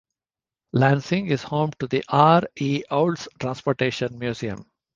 Lansing is home to the R. E. Olds Transportation Museum.